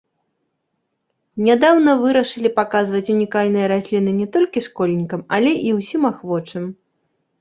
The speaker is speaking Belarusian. Нядаўна вырашылі паказваць унікальныя расліны не толькі школьнікам, але і ўсім ахвочым.